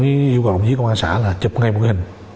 tôi yêu cầu đồng chí của con con xã là chụp ngay một cái hình